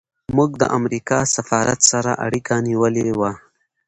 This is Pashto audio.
موږ د امریکا سفارت سره اړیکه نیولې وه.